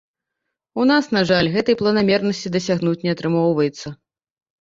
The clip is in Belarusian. У нас, на жаль, гэтай планамернасці дасягнуць не атрымоўваецца.